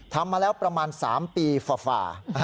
ทำมาแล้วประมาณ๓ปีฝ่า